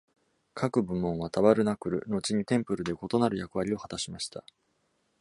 各部門はタバルナクル、後にテンプルで異なる役割を果たしました。